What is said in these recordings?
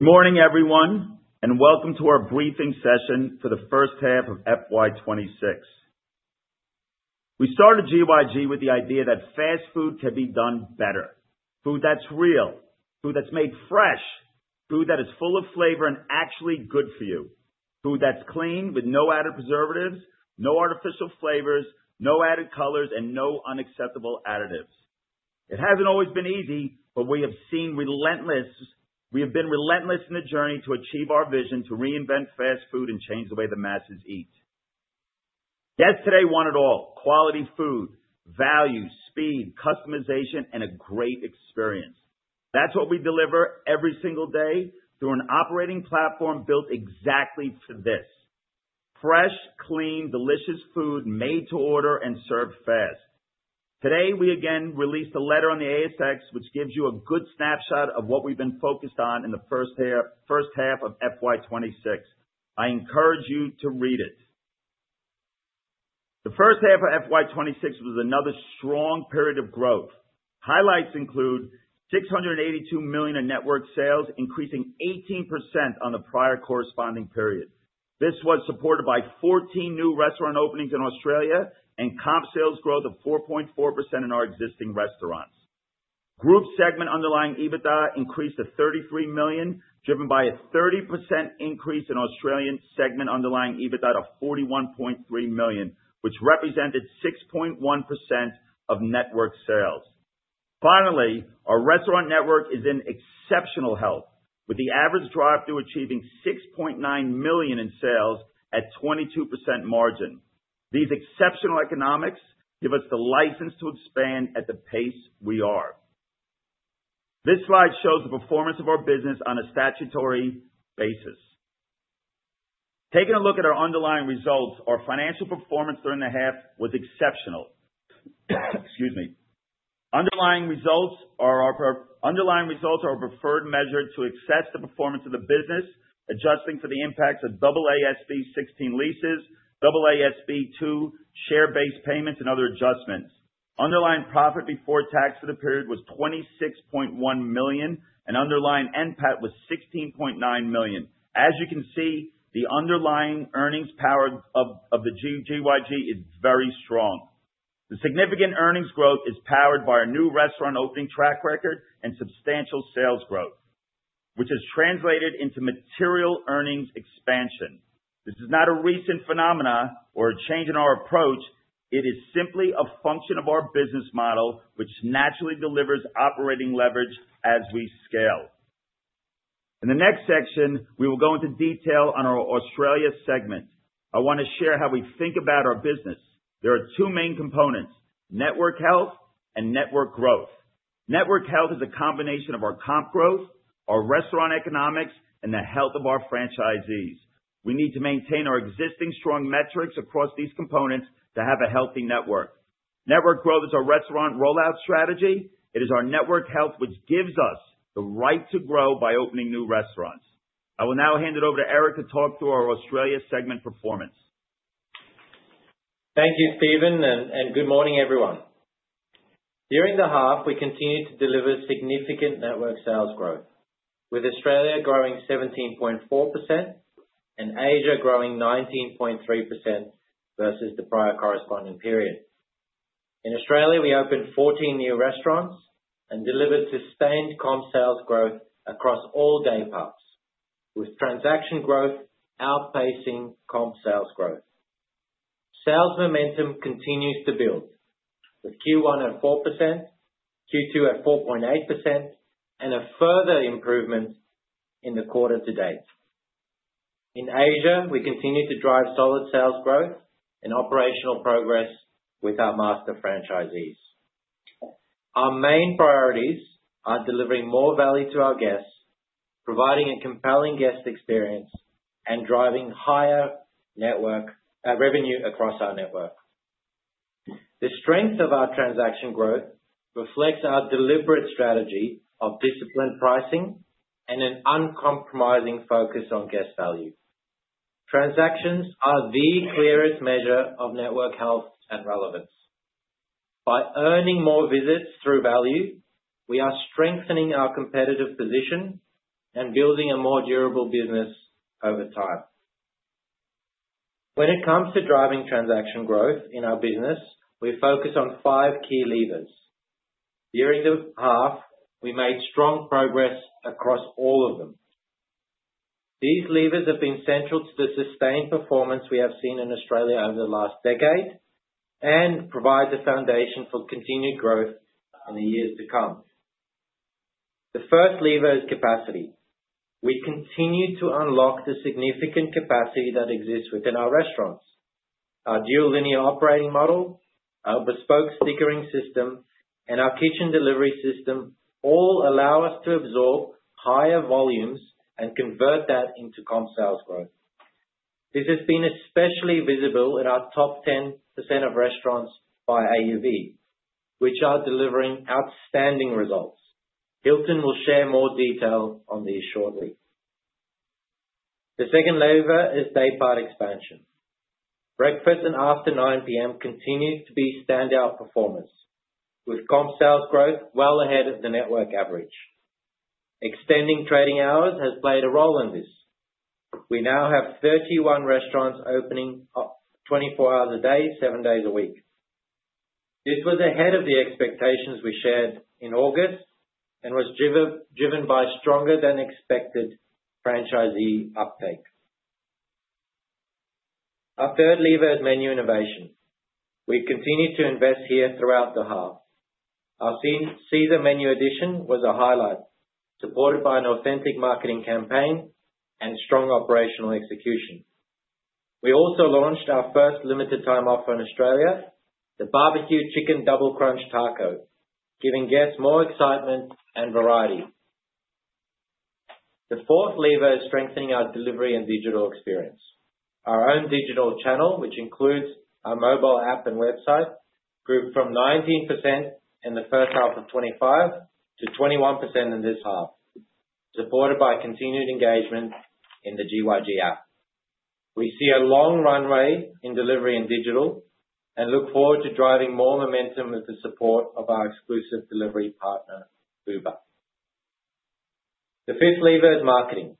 Good morning, everyone, and welcome to our briefing session for the first half of FY 2026. We started GYG with the idea that fast food can be done better. Food that's real, food that's made fresh, food that is full of flavor and actually good for you. Food that's clean, with no added preservatives, no artificial flavors, no added colors, and no unacceptable additives. It hasn't always been easy, but we have been relentless in the journey to achieve our vision, to reinvent fast food and change the way the masses eat. Guests today want it all: quality food, value, speed, customization, and a great experience. That's what we deliver every single day through an operating platform built exactly for this. Fresh, clean, delicious food made to order and served fast. Today, we again released a letter on the ASX, which gives you a good snapshot of what we've been focused on in the first half, first half of FY 2026. I encourage you to read it. The first half of FY 2026 was another strong period of growth. Highlights include 682 million in network sales, increasing 18% on the prior corresponding period. This was supported by 14 new restaurant openings in Australia and comp sales growth of 4.4% in our existing restaurants. Group segment underlying EBITDA increased to 33 million, driven by a 30% increase in Australian segment underlying EBITDA of 41.3 million, which represented 6.1% of network sales. Finally, our restaurant network is in exceptional health, with the average drive-thru achieving 6.9 million in sales at 22% margin. These exceptional economics give us the license to expand at the pace we are. This slide shows the performance of our business on a statutory basis. Taking a look at our underlying results, our financial performance during the half was exceptional. Excuse me. Underlying results are our preferred measure to assess the performance of the business, adjusting for the impacts of AASB 16 leases, AASB 2 share-based payments and other adjustments. Underlying profit before tax for the period was 26.1 million, and underlying NPAT was 16.9 million. As you can see, the underlying earnings power of the GYG is very strong. The significant earnings growth is powered by our new restaurant opening track record and substantial sales growth, which has translated into material earnings expansion. This is not a recent phenomenon or a change in our approach, it is simply a function of our business model, which naturally delivers operating leverage as we scale. In the next section, we will go into detail on our Australia segment. I want to share how we think about our business. There are two main components: network health and network growth. Network health is a combination of our comp growth, our restaurant economics, and the health of our franchisees. We need to maintain our existing strong metrics across these components to have a healthy network. Network growth is our restaurant rollout strategy. It is our network health, which gives us the right to grow by opening new restaurants. I will now hand it over to Erik to talk through our Australia segment performance. Thank you, Steven, and good morning, everyone. During the half, we continued to deliver significant network sales growth, with Australia growing 17.4% and Asia growing 19.3% versus the prior corresponding period. In Australia, we opened 14 new restaurants and delivered sustained comp sales growth across all day parts, with transaction growth outpacing comp sales growth. Sales momentum continues to build, with Q1 at 4%, Q2 at 4.8%, and a further improvement in the quarter to date. In Asia, we continue to drive solid sales growth and operational progress with our master franchisees. Our main priorities are delivering more value to our guests, providing a compelling guest experience, and driving higher network revenue across our network. The strength of our transaction growth reflects our deliberate strategy of disciplined pricing and an uncompromising focus on guest value. Transactions are the clearest measure of network health and relevance. By earning more visits through value, we are strengthening our competitive position and building a more durable business over time. When it comes to driving transaction growth in our business, we focus on five key levers. During the half, we made strong progress across all of them. These levers have been central to the sustained performance we have seen in Australia over the last decade and provide the foundation for continued growth in the years to come. The first lever is capacity. We continue to unlock the significant capacity that exists within our restaurants. Our dual linear operating model, our bespoke stickering system, and our kitchen delivery system all allow us to absorb higher volumes and convert that into comp sales growth. This has been especially visible in our top 10% of restaurants by AUV, which are delivering outstanding results. Hilton will share more detail on these shortly. The second lever is daypart expansion. Breakfast and after 9 P.M. continues to be standout performers, with comp sales growth well ahead of the network average. Extending trading hours has played a role in this. We now have 31 restaurants opening up 24 hours a day, seven days a week. This was ahead of the expectations we shared in August, and was driven by stronger than expected franchisee uptake. Our third lever is menu innovation. We've continued to invest here throughout the half. Our Caesar menu addition was a highlight, supported by an authentic marketing campaign and strong operational execution. We also launched our first limited time offer in Australia, the Barbecue Chicken Double Crunch Taco, giving guests more excitement and variety. The fourth lever is strengthening our delivery and digital experience. Our own digital channel, which includes our mobile app and website, grew from 19% in the first half of 2025 to 21% in this half, supported by continued engagement in the GYG app. We see a long runway in delivery and digital, and look forward to driving more momentum with the support of our exclusive delivery partner, Uber. The fifth lever is marketing.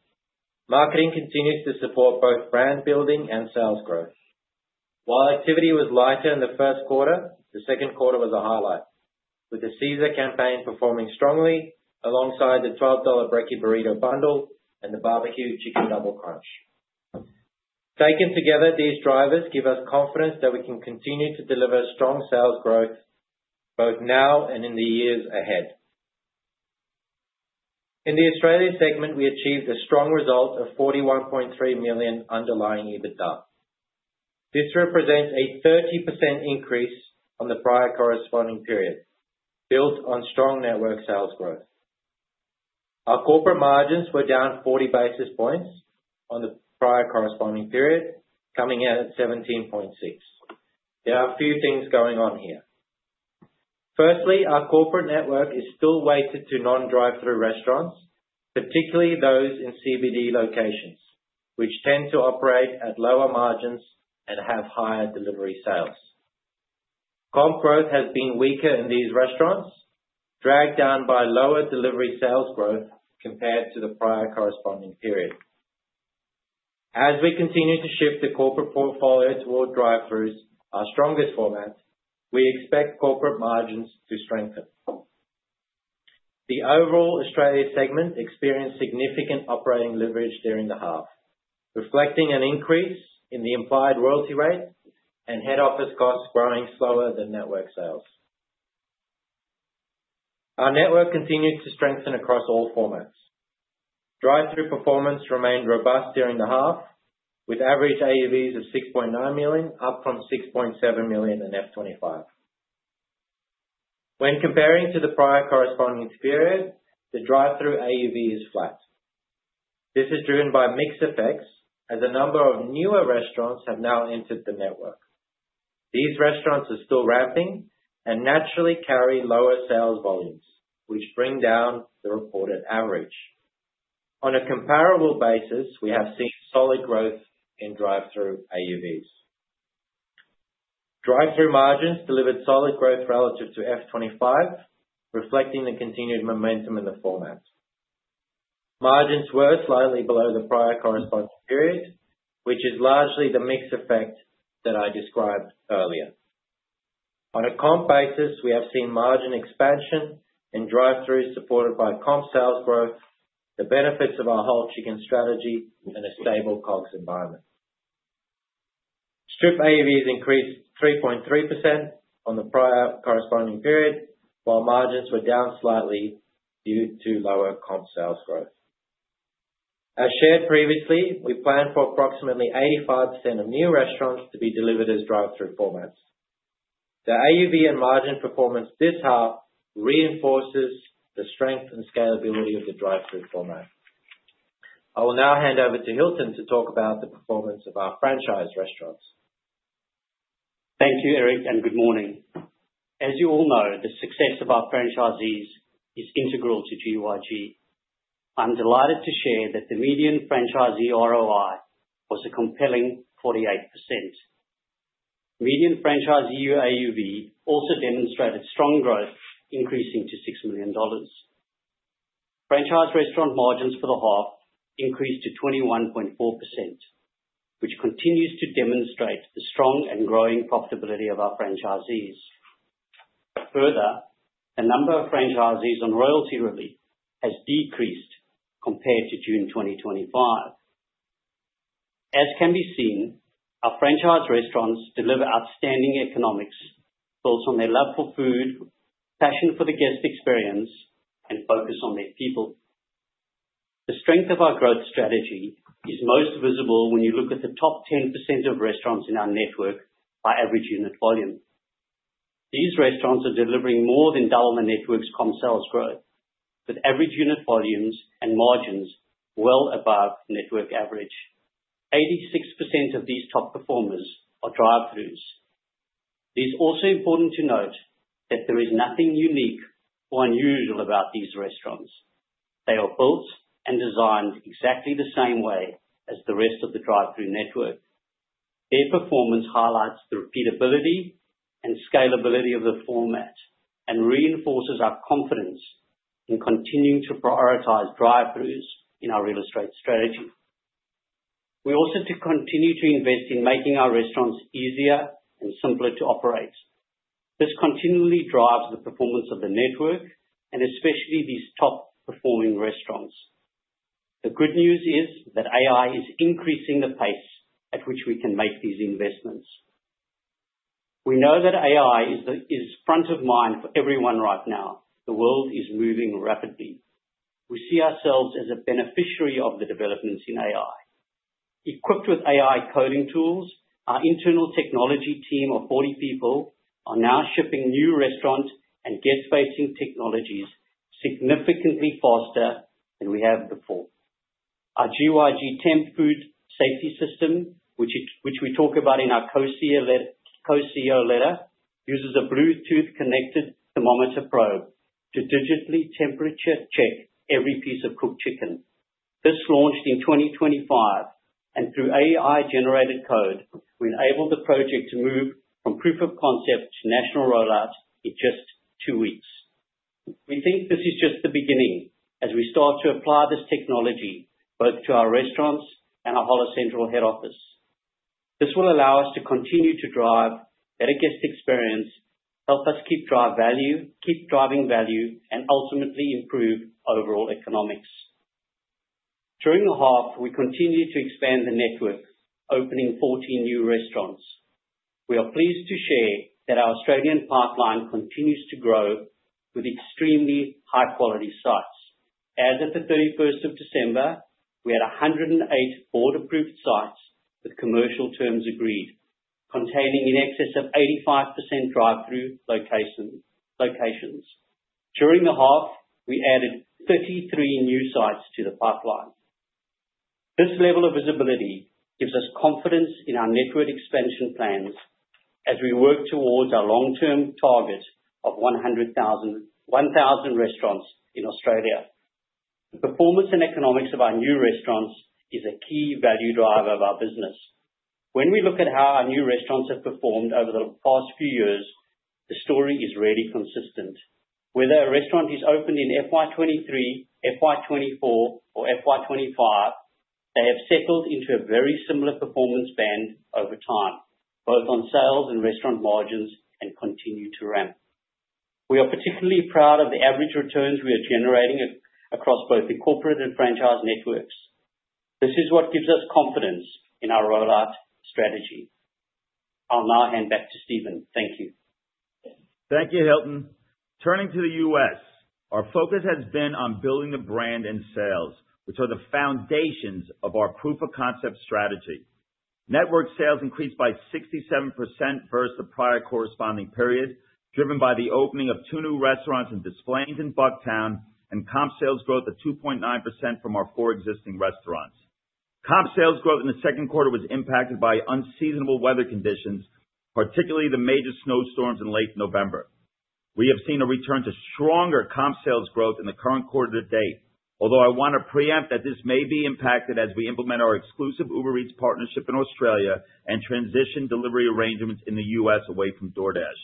Marketing continues to support both brand building and sales growth. While activity was lighter in the first quarter, the second quarter was a highlight, with the Caesar campaign performing strongly, alongside the 12 dollar Brekkie Burrito bundle and the Barbecue Chicken Double Crunch. Taken together, these drivers give us confidence that we can continue to deliver strong sales growth, both now and in the years ahead. In the Australia segment, we achieved a strong result of 41.3 million underlying EBITDA. This represents a 30% increase from the prior corresponding period, built on strong network sales growth. Our corporate margins were down 40 basis points on the prior corresponding period, coming out at 17.6. There are a few things going on here. Firstly, our corporate network is still weighted to non-drive-thru restaurants, particularly those in CBD locations, which tend to operate at lower margins and have higher delivery sales. Comp growth has been weaker in these restaurants, dragged down by lower delivery sales growth compared to the prior corresponding period. As we continue to shift the corporate portfolio toward drive-thrus, our strongest format, we expect corporate margins to strengthen. The overall Australia segment experienced significant operating leverage during the half, reflecting an increase in the implied royalty rate and head office costs growing slower than network sales. Our network continues to strengthen across all formats. Drive-thru performance remained robust during the half, with average AUVs of 6.9 million, up from 6.7 million in FY25. When comparing to the prior corresponding period, the drive-thru AUV is flat. This is driven by mix effects, as a number of newer restaurants have now entered the network. These restaurants are still ramping and naturally carry lower sales volumes, which bring down the reported average. On a comparable basis, we have seen solid growth in drive-thru AUVs. Drive-thru margins delivered solid growth relative to FY25, reflecting the continued momentum in the format. Margins were slightly below the prior corresponding period, which is largely the mix effect that I described earlier. On a comp basis, we have seen margin expansion and drive-thru, supported by comp sales growth, the benefits of our whole chicken strategy, and a stable cost environment. Strip AUVs increased 3.3% on the prior corresponding period, while margins were down slightly due to lower comp sales growth. As shared previously, we plan for approximately 85% of new restaurants to be delivered as drive-thru formats. The AUV and margin performance this half reinforces the strength and scalability of the drive-thru format. I will now hand over to Hilton to talk about the performance of our franchise restaurants. Thank you, Erik, and good morning. As you all know, the success of our franchisees is integral to GYG. I'm delighted to share that the median franchisee ROI was a compelling 48%. Median franchisee AUV also demonstrated strong growth, increasing to 6 million. Franchise restaurant margins for the half increased to 21.4%, which continues to demonstrate the strong and growing profitability of our franchisees. Further, the number of franchisees on royalty relief has decreased compared to June 2025. As can be seen, our franchise restaurants deliver outstanding economics, both on their love for food, passion for the guest experience, and focus on their people. The strength of our growth strategy is most visible when you look at the top 10% of restaurants in our network by average unit volume. These restaurants are delivering more than double the network's comp sales growth, with average unit volumes and margins well above network average. 86% of these top performers are drive-thrus. It is also important to note that there is nothing unique or unusual about these restaurants. They are built and designed exactly the same way as the rest of the drive-thru network. Their performance highlights the repeatability and scalability of the format, and reinforces our confidence in continuing to prioritize drive-thrus in our real estate strategy. We also continue to invest in making our restaurants easier and simpler to operate. This continually drives the performance of the network, and especially these top performing restaurants. The good news is that AI is increasing the pace at which we can make these investments. We know that AI is front of mind for everyone right now. The world is moving rapidly. We see ourselves as a beneficiary of the developments in AI. Equipped with AI coding tools, our internal technology team of 40 people are now shipping new restaurant and guest-facing technologies significantly faster than we have before. Our GYG Temp Food Safety System, which we talk about in our CEO letter, uses a Bluetooth-connected thermometer probe to digitally temperature check every piece of cooked chicken. This launched in 2025, and through AI-generated code, we enabled the project to move from proof of concept to national rollout in just two weeks. We think this is just the beginning as we start to apply this technology both to our restaurants and our Hola Central head office. This will allow us to continue to drive better guest experience, help us keep drive value, keep driving value, and ultimately improve overall economics. During the half, we continued to expand the network, opening 14 new restaurants. We are pleased to share that our Australian pipeline continues to grow with extremely high-quality sites. As of the thirty-first of December, we had 108 board-approved sites with commercial terms agreed, containing in excess of 85% drive-thru locations. During the half, we added 33 new sites to the pipeline. This level of visibility gives us confidence in our network expansion plans as we work towards our long-term target of 1,000 restaurants in Australia. The performance and economics of our new restaurants is a key value driver of our business. When we look at how our new restaurants have performed over the past few years, the story is really consistent. Whether a restaurant is opened in FY 2023, FY 2024, or FY 2025, they have settled into a very similar performance band over time, both on sales and restaurant margins, and continue to ramp. We are particularly proud of the average returns we are generating across both the corporate and franchise networks. This is what gives us confidence in our rollout strategy. I'll now hand back to Steven. Thank you. Thank you, Hilton. Turning to the U.S., our focus has been on building the brand and sales, which are the foundations of our proof of concept strategy. Network sales increased by 67% versus the prior corresponding period, driven by the opening of two new restaurants in Des Plaines and Bucktown, and comp sales growth of 2.9% from our four existing restaurants. Comp sales growth in the second quarter was impacted by unseasonable weather conditions, particularly the major snowstorms in late November. We have seen a return to stronger comp sales growth in the current quarter to date, although I want to preempt that this may be impacted as we implement our exclusive Uber Eats partnership in Australia and transition delivery arrangements in the U.S. away from DoorDash.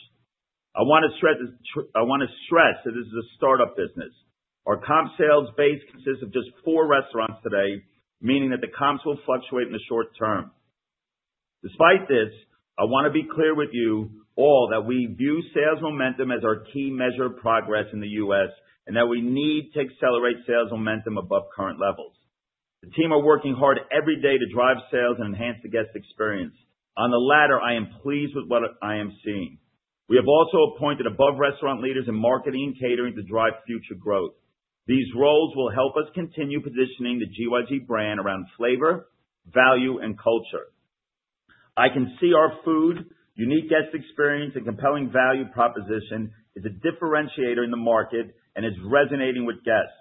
I want to stress that this is a startup business. Our Comp Sales base consists of just four restaurants today, meaning that the comps will fluctuate in the short term. Despite this, I want to be clear with you all that we view sales momentum as our key measure of progress in the U.S., and that we need to accelerate sales momentum above current levels. The team are working hard every day to drive sales and enhance the guest experience. On the latter, I am pleased with what I am seeing. We have also appointed above restaurant leaders in marketing and catering to drive future growth. These roles will help us continue positioning the GYG brand around flavor, value, and culture. I can see our food, unique guest experience, and compelling value proposition is a differentiator in the market and is resonating with guests.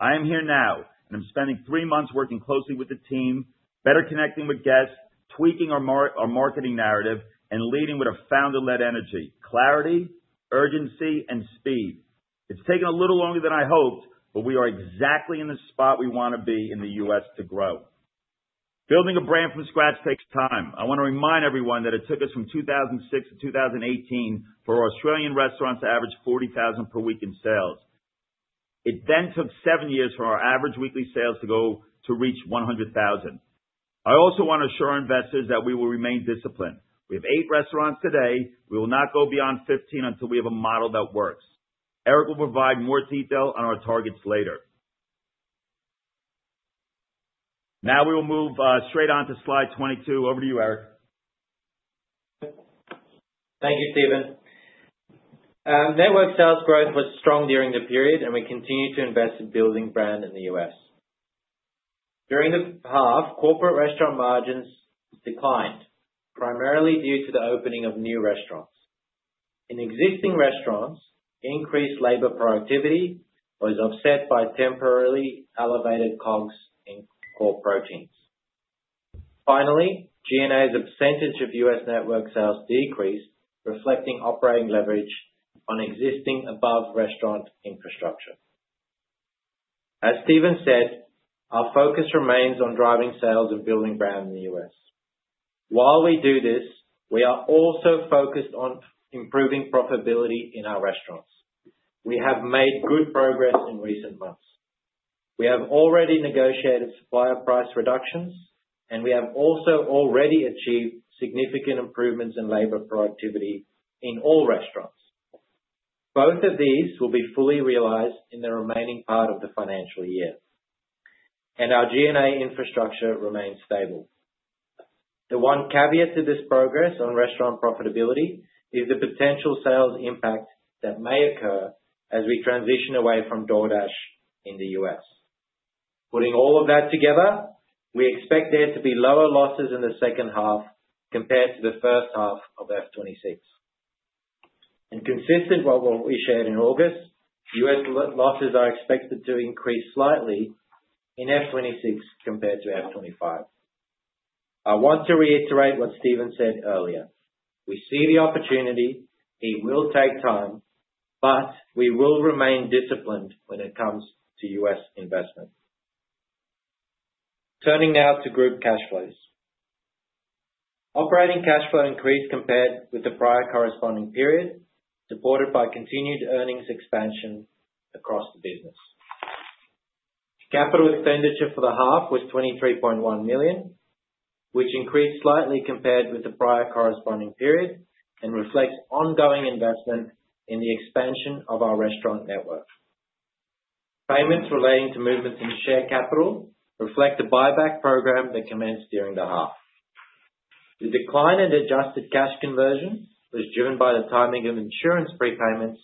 I am here now, and I'm spending three months working closely with the team, better connecting with guests, tweaking our marketing narrative, and leading with a founder-led energy, clarity, urgency, and speed. It's taken a little longer than I hoped, but we are exactly in the spot we want to be in the U.S. to grow. Building a brand from scratch takes time. I want to remind everyone that it took us from 2006 to 2018 for our Australian restaurants to average 40,000 per week in sales. It then took seven years for our average weekly sales to go to reach 100,000. I also want to assure investors that we will remain disciplined. We have eight restaurants today. We will not go beyond 15 until we have a model that works. Erik will provide more detail on our targets later. Now, we will move straight on to slide 22. Over to you, Erik. Thank you, Steven. Network sales growth was strong during the period, and we continued to invest in building brand in the US. During the half, corporate restaurant margins declined, primarily due to the opening of new restaurants. In existing restaurants, increased labor productivity was offset by temporarily elevated COGS in core proteins. Finally, G&A as a percentage of US network sales decreased, reflecting operating leverage on existing above restaurant infrastructure. As Steven said, our focus remains on driving sales and building brand in the US. While we do this, we are also focused on improving profitability in our restaurants. We have made good progress in recent months. We have already negotiated supplier price reductions, and we have also already achieved significant improvements in labor productivity in all restaurants. Both of these will be fully realized in the remaining part of the financial year, and our G&A infrastructure remains stable. The one caveat to this progress on restaurant profitability is the potential sales impact that may occur as we transition away from DoorDash in the US. Putting all of that together, we expect there to be lower losses in the second half compared to the first half of FY 2026. Consistent with what we shared in August, US losses are expected to increase slightly in FY 2026 compared to FY 2025. I want to reiterate what Steven said earlier: We see the opportunity. It will take time, but we will remain disciplined when it comes to US investment. Turning now to group cash flows. Operating cash flow increased compared with the prior corresponding period, supported by continued earnings expansion across the business. Capital expenditure for the half was 23.1 million, which increased slightly compared with the prior corresponding period, and reflects ongoing investment in the expansion of our restaurant network. Payments relating to movements in share capital reflect a buyback program that commenced during the half. The decline in adjusted cash conversion was driven by the timing of insurance prepayments,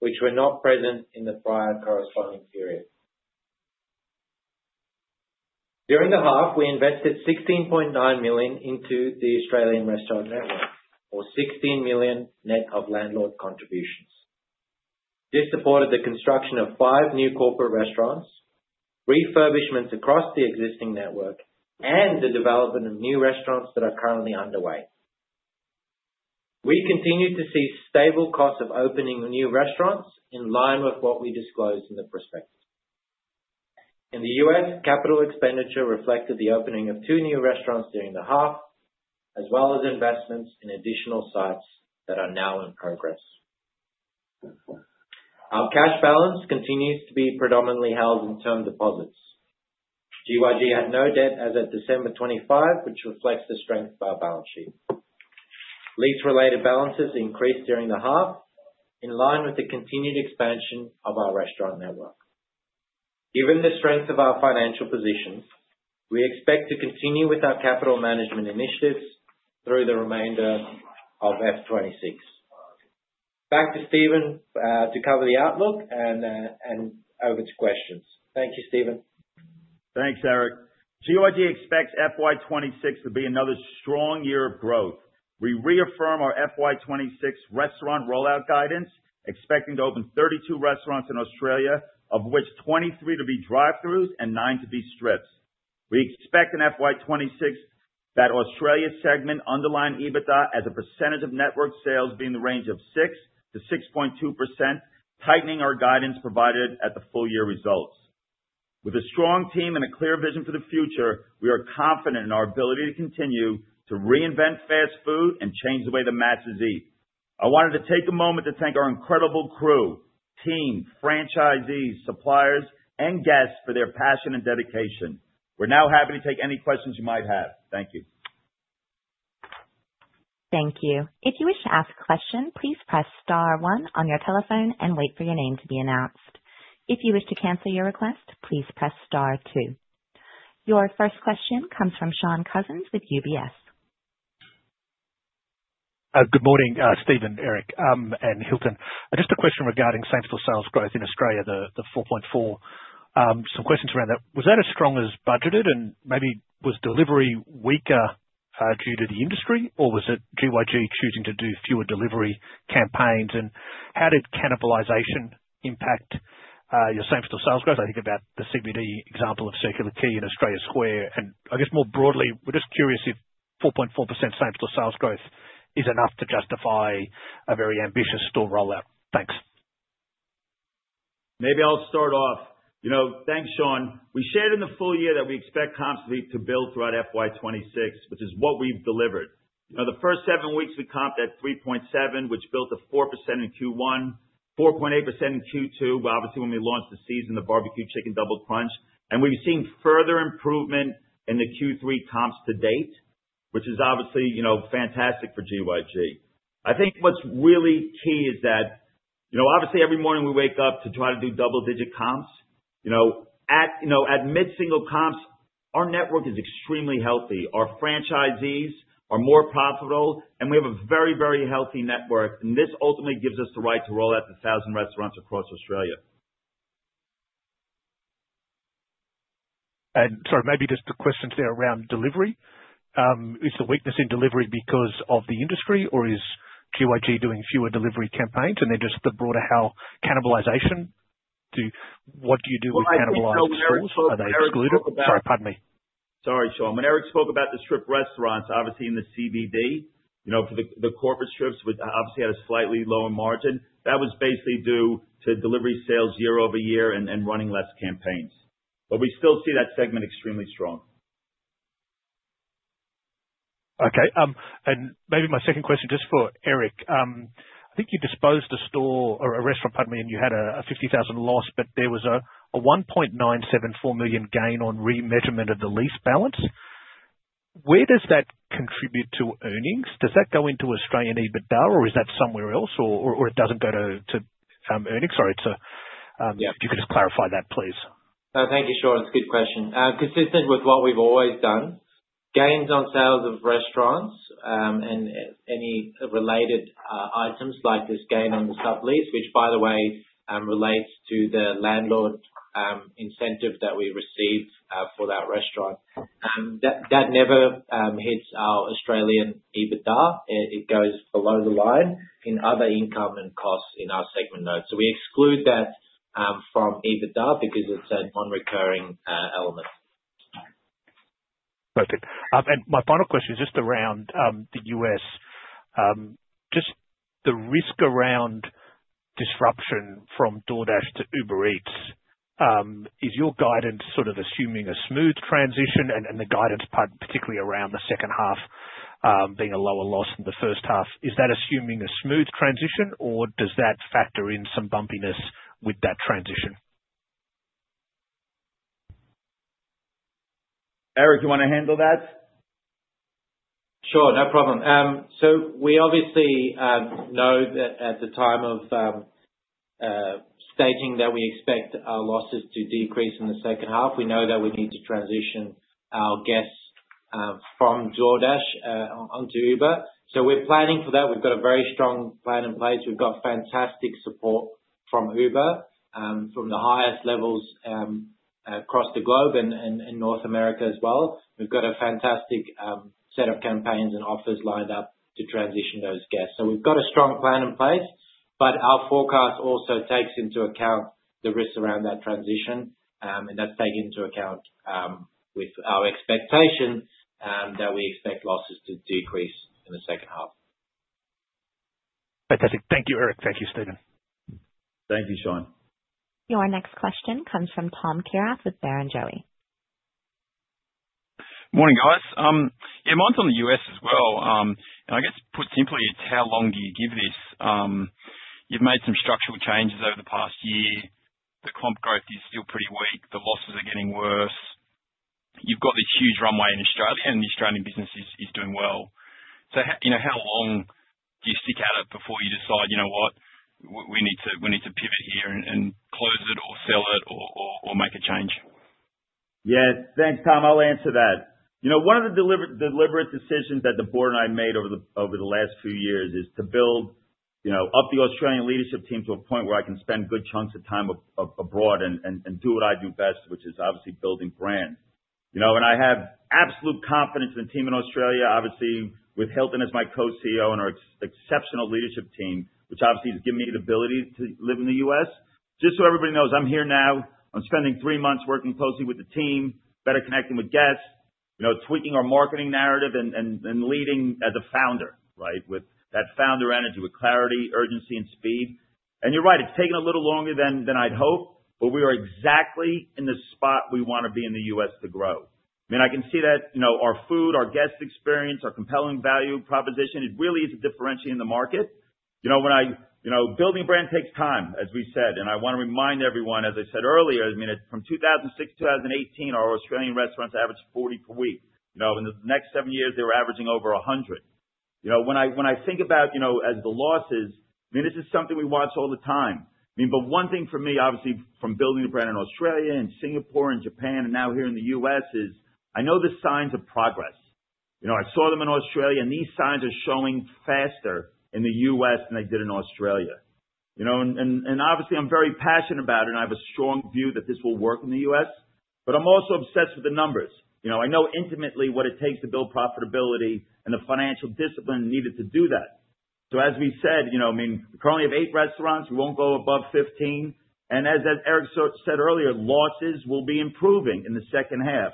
which were not present in the prior corresponding period. During the half, we invested 16.9 million into the Australian restaurant network, or 16 million net of landlord contributions. This supported the construction of five new corporate restaurants, refurbishments across the existing network, and the development of new restaurants that are currently underway. We continue to see stable costs of opening new restaurants in line with what we disclosed in the prospectus. In the U.S., capital expenditure reflected the opening of two new restaurants during the half, as well as investments in additional sites that are now in progress. Our cash balance continues to be predominantly held in term deposits. GYG had no debt as of December 25, which reflects the strength of our balance sheet. Lease-related balances increased during the half, in line with the continued expansion of our restaurant network. Given the strength of our financial position, we expect to continue with our capital management initiatives through the remainder of F26. Back to Steven to cover the outlook and over to questions. Thank you, Steven. Thanks, Erik. GYG expects FY 2026 to be another strong year of growth. We reaffirm our FY 2026 restaurant rollout guidance, expecting to open 32 restaurants in Australia, of which 23 to be drive-throughs and 9 to be strips. We expect in FY 2026 that Australia segment underlying EBITDA as a percentage of network sales, be in the range of 6%-6.2%, tightening our guidance provided at the full year results. With a strong team and a clear vision for the future, we are confident in our ability to continue to reinvent fast food and change the way that Aussies eat. I wanted to take a moment to thank our incredible crew, team, franchisees, suppliers, and guests for their passion and dedication. We're now happy to take any questions you might have. Thank you. Thank you. If you wish to ask a question, please press star one on your telephone and wait for your name to be announced. If you wish to cancel your request, please press star two. Your first question comes from Shaun Cousins with UBS. Good morning, Steven, Erik, and Hilton. Just a question regarding same-store sales growth in Australia, the 4.4%. Some questions around that. Was that as strong as budgeted? And maybe was delivery weaker due to the industry, or was it GYG choosing to do fewer delivery campaigns? And how did cannibalization impact your same-store sales growth? I think about the CBD example of Circular Quay in Australia Square, and I guess more broadly, we're just curious if 4.4% same-store sales growth is enough to justify a very ambitious store rollout. Thanks. Maybe I'll start off. You know, thanks, Shaun. We shared in the full year that we expect comp sales to build throughout FY 2026, which is what we've delivered. You know, the first seven weeks, we comped at 3.7%, which built to 4% in Q1, 4.8% in Q2, but obviously when we launched the LTO, the Barbecue Chicken Double Crunch. And we've seen further improvement in the Q3 comps to date, which is obviously, you know, fantastic for GYG. I think what's really key is that, you know, obviously every morning we wake up to try to do double-digit comps. You know, at, you know, at mid-single comps, our network is extremely healthy. Our franchisees are more profitable, and we have a very, very healthy network, and this ultimately gives us the right to roll out 1,000 restaurants across Australia. Sorry, maybe just the question today around delivery. Is the weakness in delivery because of the industry, or is GYG doing fewer delivery campaigns? And then just the broader how cannibalization... What do you do with analyzed stores? Are they excluded? Sorry, pardon me. Sorry, Shaun. When Erik spoke about the strip restaurants, obviously in the CBD, you know, for the corporate strips with obviously at a slightly lower margin, that was basically due to delivery sales year-over-year and running less campaigns. But we still see that segment extremely strong. Okay. And maybe my second question, just for Erik. I think you disposed a store or a restaurant, pardon me, and you had a 50,000 loss, but there was a 1.974 million gain on remeasurement of the lease balance. Where does that contribute to earnings? Does that go into Australian EBITDA, or is that somewhere else, or it doesn't go to earnings? Sorry, it's a. Yeah. If you could just clarify that, please. Thank you, Shaun. It's a good question. Consistent with what we've always done, gains on sales of restaurants, and any related items, like this gain on the sublease, which by the way, relates to the landlord incentive that we received for that restaurant. That never hits our Australian EBITDA. It goes below the line in other income and costs in our segment notes. So we exclude that from EBITDA because it's a non-recurring element. Perfect. My final question is just around the U.S. Just the risk around disruption from DoorDash to Uber Eats, is your guidance sort of assuming a smooth transition? The guidance part, particularly around the second half, being a lower loss in the first half, is that assuming a smooth transition, or does that factor in some bumpiness with that transition? Erik, you wanna handle that? Sure, no problem. So we obviously know that at the time of stating that we expect our losses to decrease in the second half, we know that we need to transition our guests from DoorDash onto Uber. So we're planning for that. We've got a very strong plan in place. We've got fantastic support from Uber from the highest levels across the globe and North America as well. We've got a fantastic set of campaigns and offers lined up to transition those guests. So we've got a strong plan in place, but our forecast also takes into account the risks around that transition, and that's taking into account with our expectation that we expect losses to decrease in the second half. Fantastic. Thank you, Erik. Thank you, Steven. Thank you, Shaun. Your next question comes from Tom Kierath, with Barrenjoey. Morning, guys. Yeah, mine's on the US as well. And I guess put simply, it's how long do you give this? You've made some structural changes over the past year. The comp growth is still pretty weak. The losses are getting worse. You've got this huge runway in Australia, and the Australian business is doing well. So you know, how long do you stick at it before you decide, "You know what? We need to pivot here and close it or sell it or make a change? Yes. Thanks, Tom. I'll answer that. You know, one of the deliberate decisions that the board and I made over the last few years is to build, you know, up the Australian leadership team to a point where I can spend good chunks of time abroad and do what I do best, which is obviously building brands. You know, and I have absolute confidence in the team in Australia, obviously with Hilton as my Co-CEO and our exceptional leadership team, which obviously has given me the ability to live in the U.S. Just so everybody knows, I'm here now. I'm spending three months working closely with the team, better connecting with guests, you know, tweaking our marketing narrative and leading as a founder, right? With that founder energy, with clarity, urgency and speed. And you're right, it's taken a little longer than, than I'd hoped, but we are exactly in the spot we want to be in the U.S. to grow. I mean, I can see that, you know, our food, our guest experience, our compelling value proposition, it really is a differentiator in the market. You know, when I... You know, building brand takes time, as we said, and I wanna remind everyone, as I said earlier, I mean, from 2006 to 2018, our Australian restaurants averaged 40 per week. You know, in the next seven years, they were averaging over 100. You know, when I, when I think about, you know, as the losses, I mean, this is something we watch all the time. I mean, but one thing for me, obviously, from building a brand in Australia and Singapore and Japan, and now here in the US, is I know the signs of progress. You know, I saw them in Australia, and these signs are showing faster in the US than they did in Australia. You know, and obviously, I'm very passionate about it, and I have a strong view that this will work in the US, but I'm also obsessed with the numbers. You know, I know intimately what it takes to build profitability and the financial discipline needed to do that. So as we said, you know, I mean, we currently have 8 restaurants. We won't go above 15, and as Erik said earlier, losses will be improving in the second half,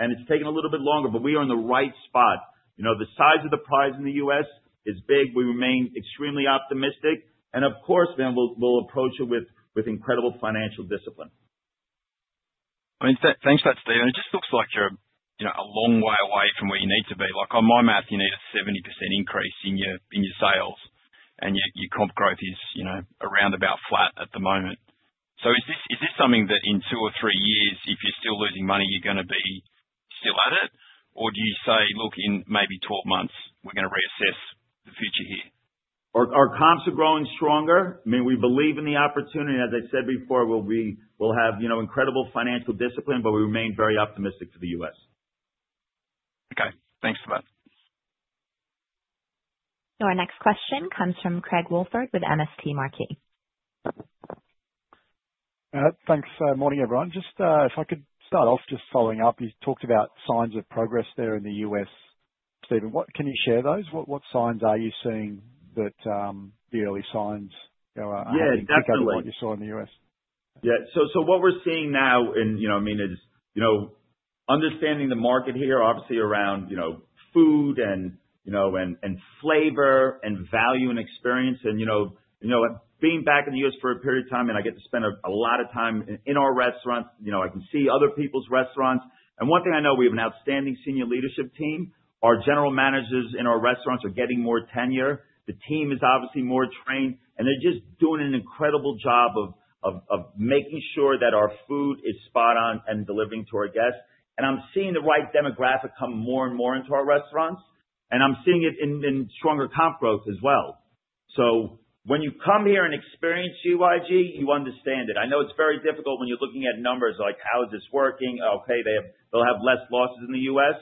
and it's taking a little bit longer, but we are in the right spot. You know, the size of the prize in the U.S. is big. We remain extremely optimistic, and of course, then we'll approach it with incredible financial discipline. I mean, thanks for that, Steven. It just looks like you're, you know, a long way away from where you need to be. Like, on my math, you need a 70% increase in your, in your sales, and yet your comp growth is, you know, around about flat at the moment. So is this, is this something that in two or three years, if you're still losing money, you're gonna be still at it? Or do you say: Look, in maybe 12 months, we're gonna reassess the future here? Our comps are growing stronger. I mean, we believe in the opportunity. As I said before, we'll have, you know, incredible financial discipline, but we remain very optimistic for the U.S. Okay, thanks for that. So our next question comes from Craig Woolford with MST Marquee. Thanks. Morning, everyone. Just, if I could start off just following up, you talked about signs of progress there in the U.S. Steven, what can you share those? What signs are you seeing that the early signs are- Yeah, definitely. Like what you saw in the U.S.? Yeah. What we're seeing now and, you know, I mean, is, you know, understanding the market here, obviously around, you know, food and, you know, flavor and value and experience and, you know, you know, being back in the U.S. for a period of time, and I get to spend a lot of time in our restaurants, you know, I can see other people's restaurants. One thing I know, we have an outstanding senior leadership team. Our general managers in our restaurants are getting more tenure. The team is obviously more trained, and they're just doing an incredible job of making sure that our food is spot on and delivering to our guests. I'm seeing the right demographic come more and more into our restaurants, and I'm seeing it in stronger comp growth as well. So when you come here and experience GYG, you understand it. I know it's very difficult when you're looking at numbers like, "How is this working? Okay, they have... They'll have less losses in the US."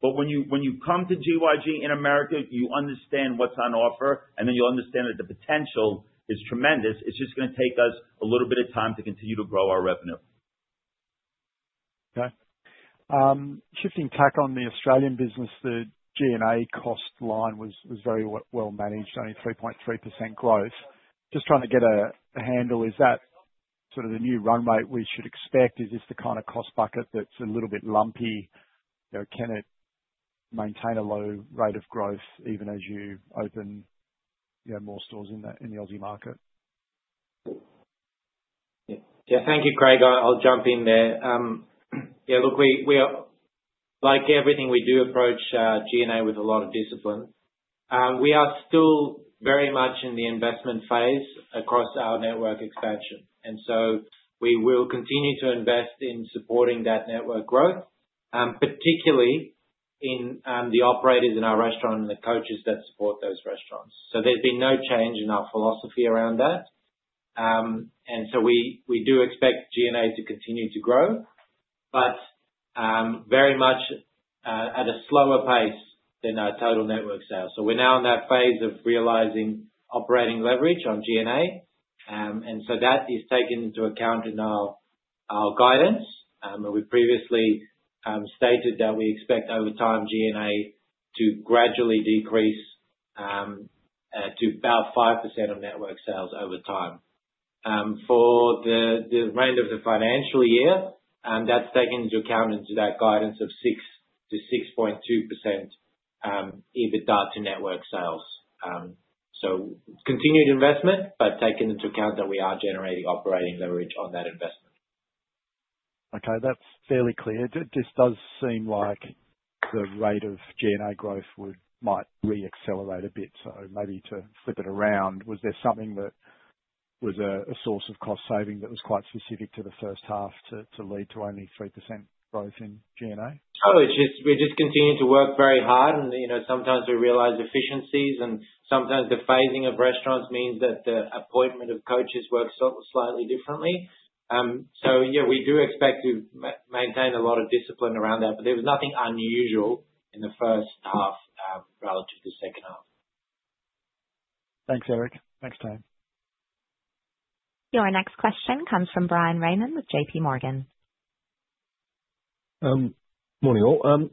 But when you, when you come to GYG in America, you understand what's on offer, and then you'll understand that the potential is tremendous. It's just gonna take us a little bit of time to continue to grow our revenue. Okay. Shifting tack on the Australian business, the G&A cost line was very well managed, only 3.3% growth. Just trying to get a handle, is that sort of the new run rate we should expect? Is this the kind of cost bucket that's a little bit lumpy? You know, can it maintain a low rate of growth even as you open, you know, more stores in the, in the Aussie market? Yeah. Thank you, Craig. I, I'll jump in there. Yeah, look, we, we are. Like everything we do, approach G&A with a lot of discipline. We are still very much in the investment phase across our network expansion, and so we will continue to invest in supporting that network growth, particularly in the operators in our restaurant and the coaches that support those restaurants. So there's been no change in our philosophy around that. And so we, we do expect G&A to continue to grow, but very much at a slower pace than our total network sales. So we're now in that phase of realizing operating leverage on G&A. And so that is taken into account in our guidance, and we previously stated that we expect, over time, G&A to gradually decrease to about 5% of network sales over time. For the remainder of the financial year, that's taken into account in that guidance of 6%-6.2% EBITDA to network sales. So continued investment, but taking into account that we are generating operating leverage on that investment. Okay, that's fairly clear. This does seem like the rate of G&A growth would, might re-accelerate a bit. So maybe to flip it around, was there something that was a source of cost saving that was quite specific to the first half to lead to only 3% growth in G&A? No, it's just, we're just continuing to work very hard, and, you know, sometimes we realize efficiencies, and sometimes the phasing of restaurants means that the appointment of coaches works sort of slightly differently. So yeah, we do expect to maintain a lot of discipline around that, but there was nothing unusual in the first half, relative to the second half. Thanks, Erik. Thanks, team. Your next question comes from Bryan Raymond, with JPMorgan. Morning, all.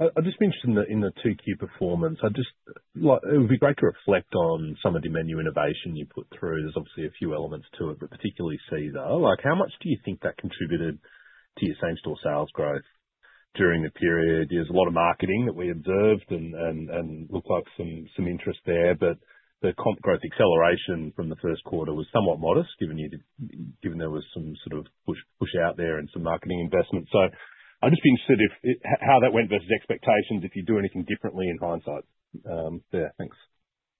Well, just on, I, I'm just interested in the, in the 2Q performance. I just-- like, it would be great to reflect on some of the menu innovation you put through. There's obviously a few elements to it, but particularly Caesar. Like, how much do you think that contributed to your same-store sales growth during the period? There's a lot of marketing that we observed and, and, and looked like some, some interest there, but the comp growth acceleration from the first quarter was somewhat modest, given you the, given there was some sort of push, push out there and some marketing investments. I'm just being interested if, h- how that went versus expectations, if you'd do anything differently in hindsight, there. Thanks.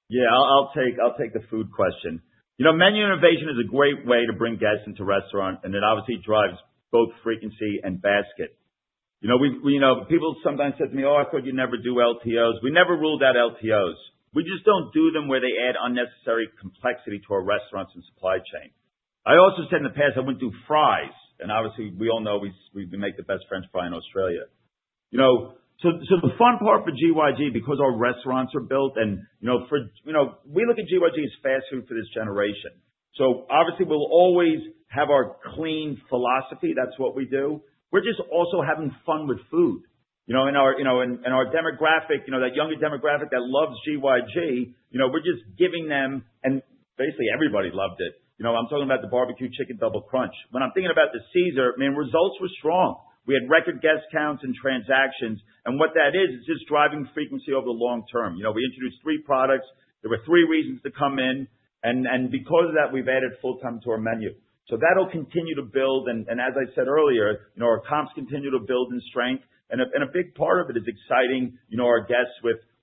Yeah, I'll take the food question. You know, menu innovation is a great way to bring guests into restaurant, and it obviously drives both frequency and basket. You know, we, you know, people sometimes said to me, "Oh, I thought you never do LTOs." We never ruled out LTOs. We just don't do them where they add unnecessary complexity to our restaurants and supply chain. I also said in the past, I wouldn't do fries, and obviously, we all know we make the best French fry in Australia. You know, so the fun part for GYG, because our restaurants are built and, you know, for, you know, we look at GYG as fast food for this generation. So obviously, we'll always have our clean philosophy. That's what we do. We're just also having fun with food. You know, and our demographic, you know, that younger demographic that loves GYG, you know, we're just giving them... And basically, everybody loved it. You know, I'm talking about the Barbecue Chicken Double Crunch. When I'm thinking about the Caesar, I mean, results were strong. We had record guest counts and transactions, and what that is, is just driving frequency over the long term. You know, we introduced three products. There were three reasons to come in, and because of that, we've added full time to our menu. So that'll continue to build and, as I said earlier, you know, our comps continue to build in strength, and a big part of it is exciting, you know, our guests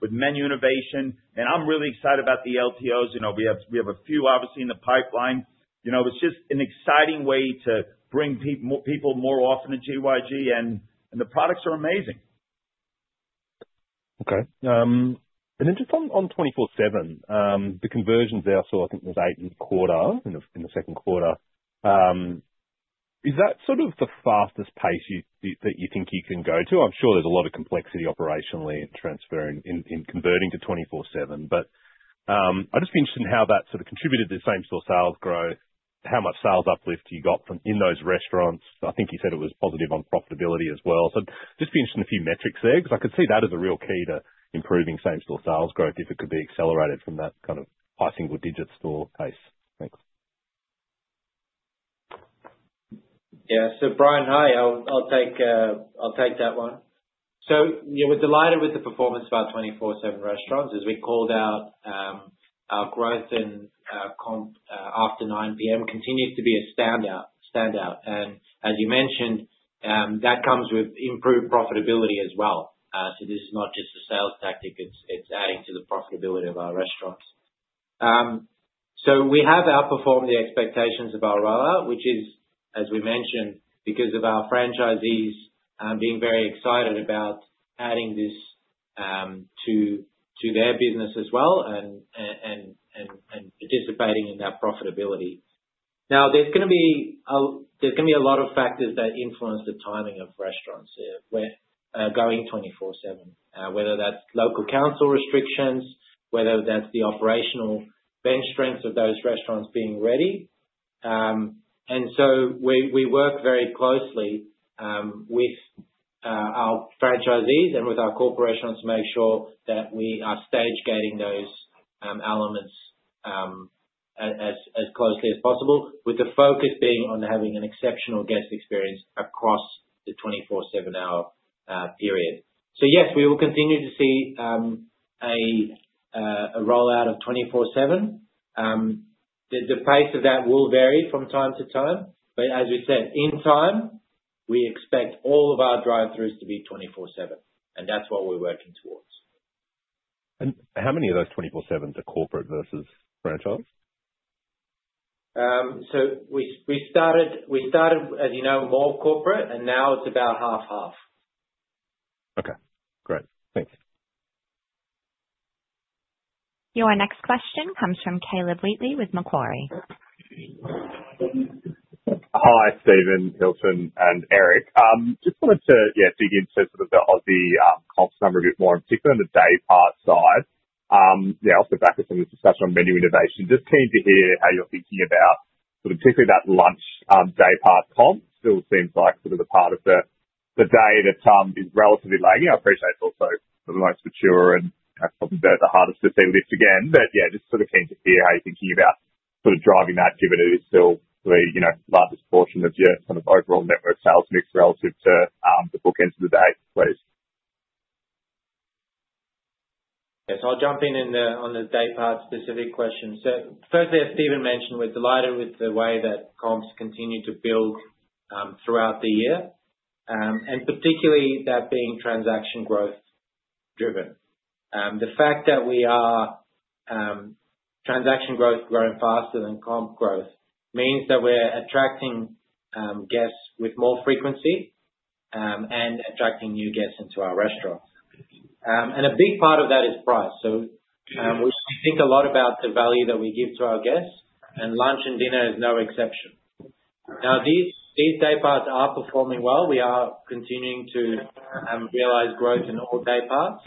with menu innovation, and I'm really excited about the LTOs. You know, we have a few obviously in the pipeline. You know, it's just an exciting way to bring people more often to GYG, and the products are amazing. Okay, and then just on 24/7, the conversions there, so I think it was 8.25 in the second quarter. Is that sort of the fastest pace you that you think you can go to? I'm sure there's a lot of complexity operationally in transferring, in converting to 24/7, but, I'm just interested in how that sort of contributed to the same-store sales growth, how much sales uplift you got from those restaurants? I think you said it was positive on profitability as well. So just be interested in a few metrics there, because I could see that as a real key to improving same-store sales growth, if it could be accelerated from that kind of high single digit store pace. Thanks. Yeah. Bryan, hi, I'll take, I'll take that one. Yeah, we're delighted with the performance of our 24/7 restaurants. As we called out, our growth in comp- after 9:00 P.M. continues to be a standout, standout. As you mentioned, that comes with improved profitability as well. This is not just a sales tactic, it's adding to the profitability of our restaurants. We have outperformed the expectations of our rollout, which is, as we mentioned, because of our franchisees being very excited about adding this to their business as well and, and, and participating in that profitability. Now, there's gonna be a, there's gonna be a lot of factors that influence the timing of restaurants here. We're going 24/7, whether that's local council restrictions, whether that's the operational bench strength of those restaurants being ready. So we work very closely with our franchisees and with our corporations to make sure that we are stage gating those elements as closely as possible, with the focus being on having an exceptional guest experience across the 24/7 hour period. So yes, we will continue to see a rollout of 24/7. The pace of that will vary from time to time, but as we said, in time, we expect all of our drive-throughs to be 24/7, and that's what we're working towards. How many of those 24/7s are corporate versus franchise? So we started, as you know, more corporate, and now it's about half half. Okay, great. Thanks. Your next question comes from Caleb Wheatley with Macquarie. Hi, Steven, Hilton, and Erik. Just wanted to, yeah, dig into sort of the Aussie comp number a bit more, and particularly on the day part side. Yeah, also back to some of the discussion on menu innovation. Just keen to hear how you're thinking about sort of particularly that lunch day part comp. Still seems like sort of the part of the day that is relatively laggy. I appreciate it's also the most mature, and that's probably the hardest to see this again. But yeah, just sort of keen to hear how you're thinking about sort of driving that given it is still the, you know, largest portion of your kind of overall network sales mix relative to the bookends of the day, please. Yes, I'll jump in, in the... On the day part specific question. Firstly, as Steven mentioned, we're delighted with the way that comps continue to build throughout the year, and particularly that being transaction growth driven. The fact that we are transaction growth growing faster than comp growth means that we're attracting guests with more frequency and attracting new guests into our restaurants. A big part of that is price. We think a lot about the value that we give to our guests, and lunch and dinner is no exception. These day parts are performing well. We are continuing to realize growth in all day parts,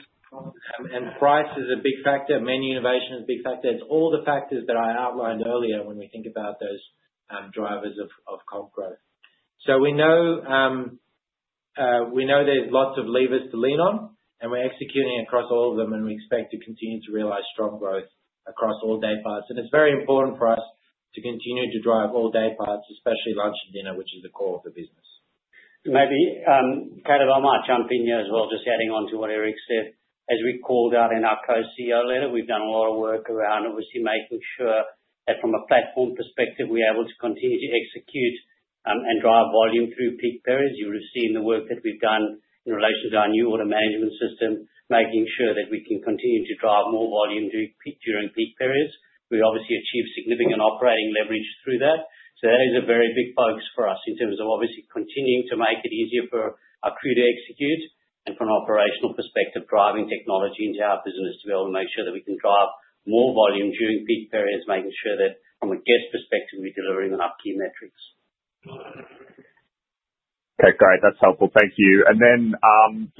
and price is a big factor, menu innovation is a big factor. It's all the factors that I outlined earlier when we think about those drivers of comp growth. So we know there's lots of levers to lean on, and we're executing across all of them, and we expect to continue to realize strong growth across all day parts. It's very important for us to continue to drive all day parts, especially lunch and dinner, which is the core of the business. Maybe, Caleb, I might jump in here as well, just adding on to what Erik said. As we called out in our co-CEO letter, we've done a lot of work around obviously making sure that from a platform perspective, we're able to continue to execute, and drive volume through peak periods. You would have seen the work that we've done in relation to our new order management system, making sure that we can continue to drive more volume during peak, during peak periods. We obviously achieve significant operating leverage through that. That is a very big focus for us in terms of obviously continuing to make it easier for our crew to execute, and from an operational perspective, driving technology into our business to be able to make sure that we can drive more volume during peak periods, making sure that from a guest perspective, we're delivering on our key metrics. Okay, great. That's helpful. Thank you. And then,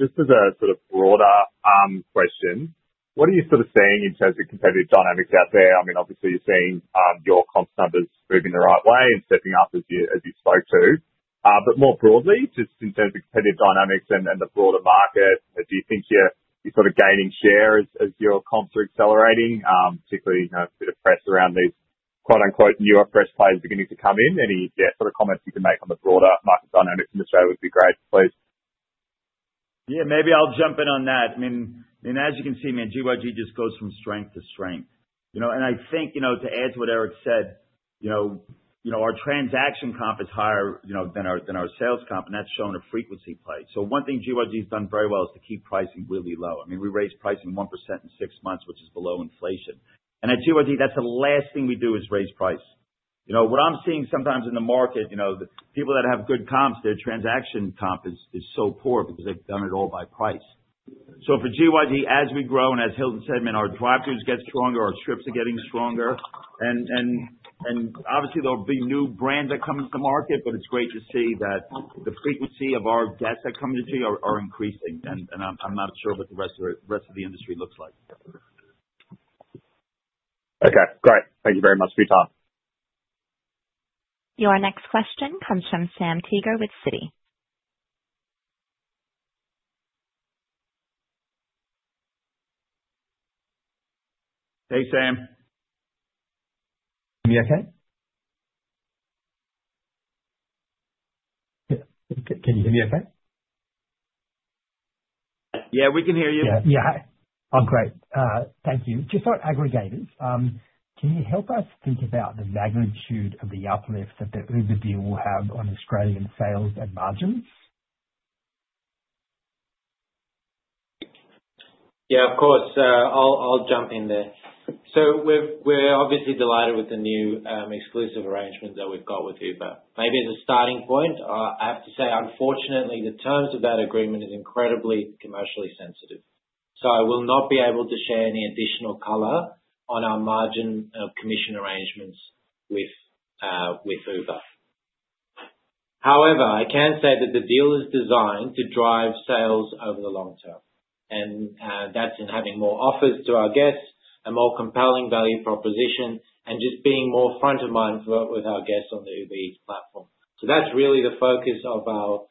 just as a sort of broader question, what are you sort of seeing in terms of competitive dynamics out there? I mean, obviously you're seeing your comp numbers moving the right way and stepping up as you, as you spoke to. But more broadly, just in terms of competitive dynamics and the broader market, do you think you're, you're sort of gaining share as your comps are accelerating? Particularly, you know, a bit of press around these quote, unquote, "newer fresh players" beginning to come in. Any, yeah, sort of comments you can make on the broader market dynamic in Australia would be great, please. Yeah, maybe I'll jump in on that. I mean, I mean, as you can see, I mean, GYG just goes from strength to strength, you know? And I think, you know, to add to what Erik said, you know, you know, our transaction comp is higher, you know, than our, than our sales comp, and that's shown a frequency play. So one thing GYG has done very well is to keep pricing really low. I mean, we raised pricing 1% in six months, which is below inflation. And at GYG, that's the last thing we do, is raise price. You know, what I'm seeing sometimes in the market, you know, the people that have good comps, their transaction comp is, is so poor because they've done it all by price. So for GYG, as we grow, and as Hilton said, man, our drive-throughs get stronger, our trips are getting stronger, and obviously there'll be new brands that come into the market, but it's great to see that the frequency of our guests that come to GYG are increasing. And I'm not sure what the rest of the industry looks like. Okay, great. Thank you very much for your time. Your next question comes from Sam Teeger with Citi. Hey, Sam. Can you hear me okay? Yeah. Can you hear me okay? Yeah, we can hear you. Yeah. Yeah. Oh, great. Thank you. Just on aggregators, can you help us think about the magnitude of the uplift that the Uber deal will have on Australian sales and margins? Yeah, of course. I'll jump in there. So we're obviously delighted with the new exclusive arrangement that we've got with Uber. Maybe as a starting point, I have to say, unfortunately, the terms of that agreement is incredibly commercially sensitive, so I will not be able to share any additional color on our margin of commission arrangements with with Uber. However, I can say that the deal is designed to drive sales over the long term, and that's in having more offers to our guests, a more compelling value proposition, and just being more front of mind for with our guests on the Uber Eats platform. So that's really the focus of our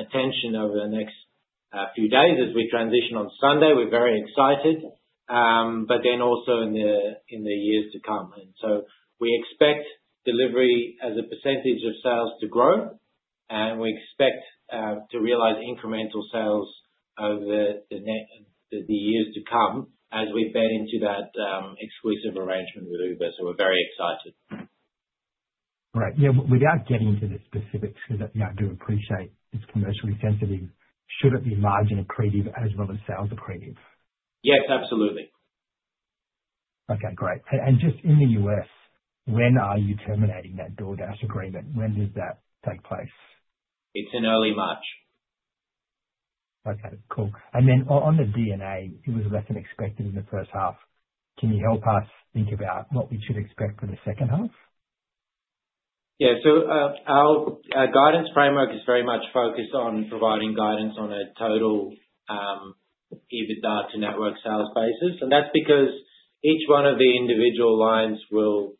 attention over the next few days as we transition on Sunday. We're very excited, but then also in the years to come. And so we expect delivery as a percentage of sales to grow, and we expect to realize incremental sales over the years to come as we feed into that exclusive arrangement with Uber. So we're very excited. Great. Yeah, but without getting into the specifics, because I, you know, I do appreciate it's commercially sensitive, should it be margin accretive as well as sales accretive? Yes, absolutely. Okay, great. And just in the U.S., when are you terminating that DoorDash agreement? When does that take place? It's in early March. Okay, cool. And then on the G&A, it was less than expected in the first half. Can you help us think about what we should expect for the second half? Yeah. Our guidance framework is very much focused on providing guidance on a total EBITDA to network sales basis. That's because each one of the individual lines will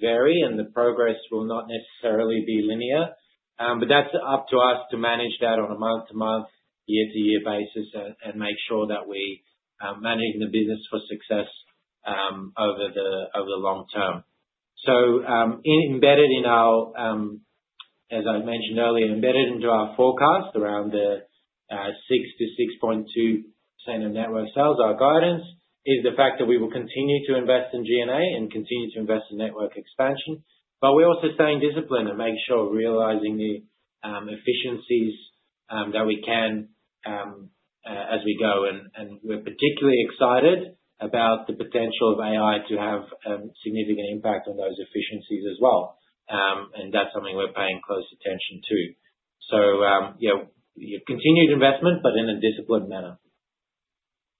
vary, and the progress will not necessarily be linear. That's up to us to manage that on a month-to-month, year-to-year basis and make sure that we are managing the business for success over the long term. Embedded in our, as I mentioned earlier, embedded into our forecast around the 6%-6.2% of network sales, our guidance is the fact that we will continue to invest in G&A and continue to invest in network expansion. We're also staying disciplined and making sure we're realizing the efficiencies that we can as we go. We're particularly excited about the potential of AI to have significant impact on those efficiencies as well. That's something we're paying close attention to. You know, continued investment, but in a disciplined manner.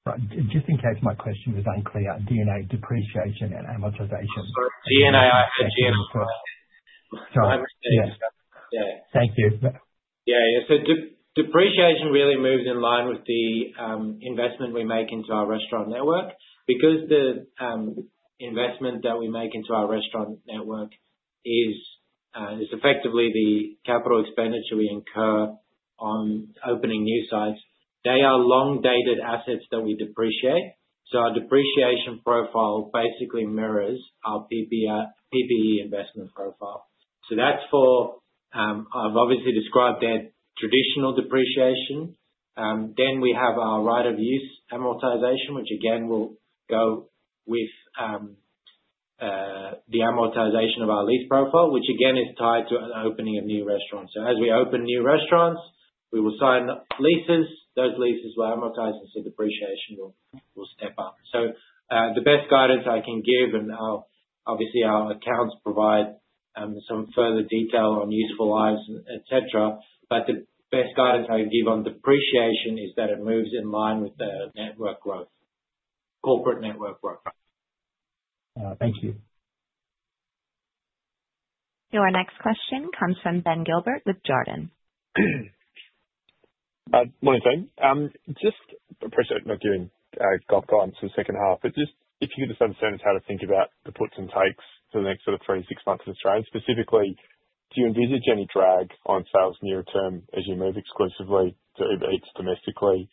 Right. Just in case my question was unclear, G&A, depreciation and amortization- GNAI for GM. Sorry. Yeah. Yeah. Thank you. Yeah. Yeah, so depreciation really moves in line with the investment we make into our restaurant network. Because the investment that we make into our restaurant network is effectively the capital expenditure we incur on opening new sites. They are long-dated assets that we depreciate, so our depreciation profile basically mirrors our PP&E investment profile. That's for, I've obviously described our traditional depreciation. Then we have our right of use amortization, which again, will go with the amortization of our lease profile, which again, is tied to an opening of new restaurants. As we open new restaurants, we will sign leases. Those leases will amortize, and so depreciation will step up. So, the best guidance I can give, and I'll obviously, our accounts provide some further detail on useful lives, et cetera, but the best guidance I can give on depreciation is that it moves in line with the network growth, corporate network growth. Thank you. Your next question comes from Ben Gilbert with Jarden. Morning, team. Just appreciate not giving guidance for the second half, but just if you could just understand how to think about the puts and takes for the next sort of three to six months in Australia. Specifically, do you envisage any drag on sales near term as you move exclusively to Uber Eats domestically?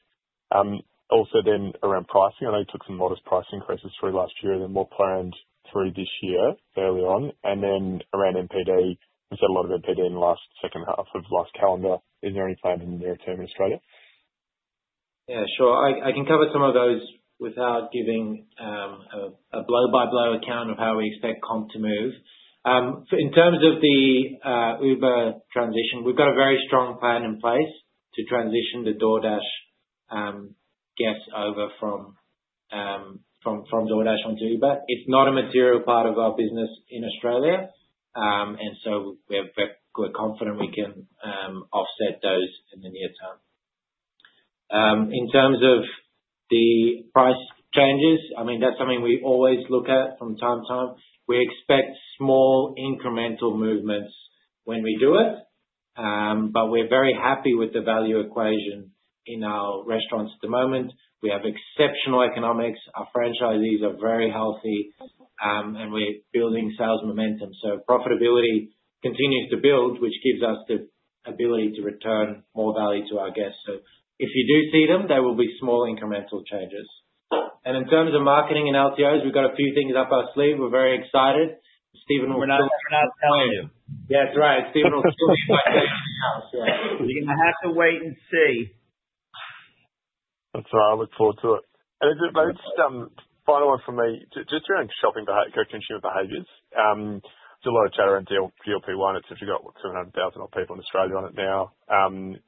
Also then around pricing, I know you took some modest price increases through last year and more planned through this year, early on. And then around NPD, you said a lot of NPD in the last second half of last calendar. Is there any plan in the near term in Australia? Yeah, sure. I can cover some of those without giving a blow-by-blow account of how we expect comp to move. In terms of the Uber transition, we've got a very strong plan in place to transition the DoorDash guests over from DoorDash on to Uber. It's not a material part of our business in Australia, and we are very confident we can offset those in the near term. In terms of the price changes, I mean, that's something we always look at from time to time. We expect small incremental movements when we do it. I mean, we're very happy with the value equation in our restaurants at the moment. We have exceptional economics. Our franchisees are very healthy, and we're building sales momentum. So profitability continues to build, which gives us the ability to return more value to our guests. So if you do see them, they will be small incremental changes. And in terms of marketing and LTOs, we've got a few things up our sleeve. We're very excited. Steven will. We're not, we're not telling you. That's right. Steven will soon tell you. You're gonna have to wait and see. That's all right, I look forward to it. Maybe just, final one for me, just around shopping beha- consumer behaviors. There's a lot of chatter around GLP-1. It's obviously got, what, 700,000 odd people in Australia on it now.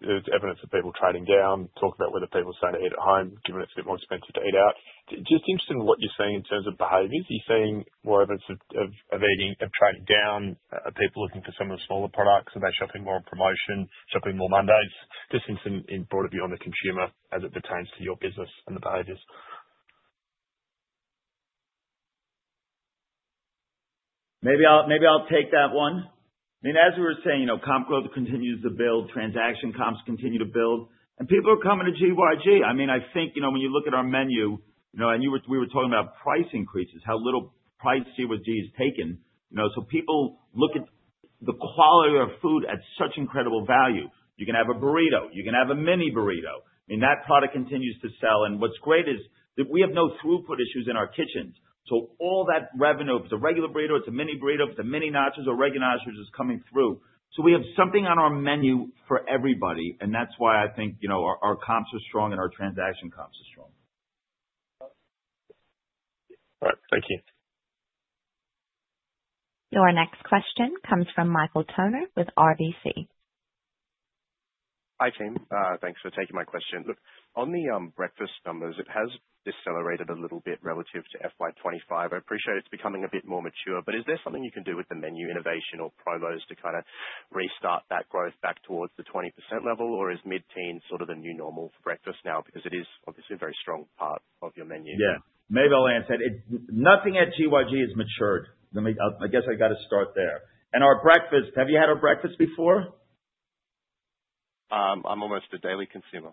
There's evidence of people trading down, talk about whether people starting to eat at home, given it's a bit more expensive to eat out. Just interested in what you're seeing in terms of behaviors. Are you seeing more evidence of, of, of eating, of trading down? Are people looking for some of the smaller products? Are they shopping more on promotion, shopping more Mondays? Just interested in, in broadly on the consumer, as it pertains to your business and the behaviors. Maybe I'll, maybe I'll take that one. I mean, as we were saying, you know, comp growth continues to build, transaction comps continue to build, and people are coming to GYG. I mean, I think, you know, when you look at our menu, you know, and you were... We were talking about price increases, how little price GYG has taken, you know. So people look at the quality of food at such incredible value. You can have a burrito, you can have a mini burrito, and that product continues to sell. And what's great is that we have no throughput issues in our kitchens, so all that revenue, if it's a regular burrito, if it's a mini burrito, if it's a mini nachos or regular nachos, is coming through. So we have something on our menu for everybody, and that's why I think, you know, our comps are strong and our transaction comps are strong. All right. Thank you. Your next question comes from Michael Toner with RBC. Hi, team. Thanks for taking my question. Look, on the breakfast numbers, it has decelerated a little bit relative to FY 2025. I appreciate it's becoming a bit more mature, but is there something you can do with the menu innovation or promos to kind of restart that growth back towards the 20% level? Or is mid-teen sort of the new normal for breakfast now? Because it is obviously a very strong part of your menu. Yeah. Maybe, like I said it. Nothing at GYG has matured. Let me, I guess I've got to start there. And our breakfast, have you had our breakfast before? I'm almost a daily consumer.